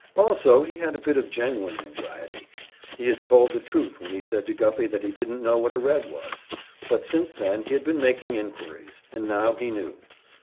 Also he had a bit of genuine anxiety. He had told the truth when he said to Guffey that he didn't know what a "Red" was; but since then he had been making in quiries, and now he knew.